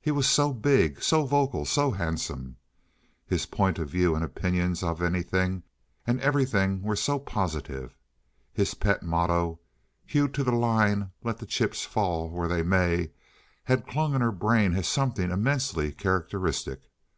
He was so big, so vocal, so handsome. His point of view and opinions of anything and everything were so positive. His pet motto, "Hew to the line, let the chips fall where they may," had clung in her brain as something immensely characteristic.